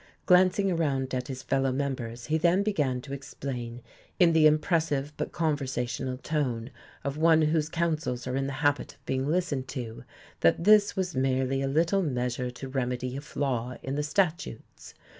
Glancing around at his fellow members he then began to explain in the impressive but conversational tone of one whose counsels are in the habit of being listened to, that this was merely a little measure to remedy a flaw in the statutes.